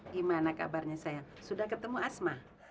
gimana kabarnya saya sudah ketemu asma